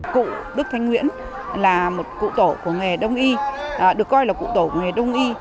cụ đức thanh nguyễn là một cụ tổ của nghề đông y được coi là cụ tổ của nghề đông y